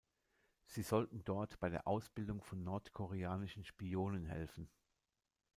Sie sollten dort bei der Ausbildung von nordkoreanischen Spionen helfen.